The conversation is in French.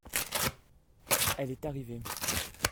elles est arrivée.